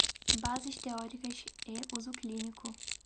Bases teóricas e uso clínico